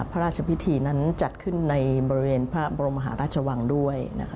พระราชพิธีนั้นจัดขึ้นในบริเวณพระบรมหาราชวังด้วย